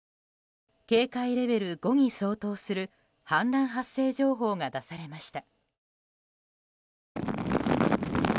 警戒レベル５に相当する氾濫発生情報が出されました。